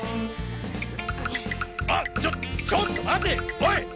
あっちょっちょっと待ておい！